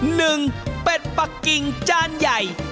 หนึ่งเป็ดปะกิ่งจานใหญ่